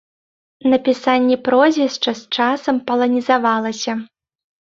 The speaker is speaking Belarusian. Напісанне прозвішча з часам паланізавалася.